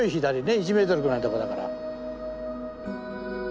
１メートルぐらいのとこだから。